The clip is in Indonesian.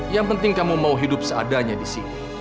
yang penting kamu mau hidup seadanya disini